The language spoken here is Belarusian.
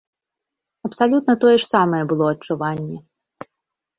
Абсалютна тое ж самае было адчуванне.